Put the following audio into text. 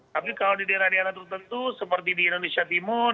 tapi kalau di daerah daerah tertentu seperti di indonesia timur